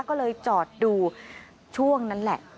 ก็เลยจอดดูช่วงนั้นแหละ